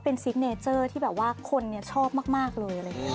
เป็นซิกเนเจอร์ที่แบบว่าคนชอบมากเลย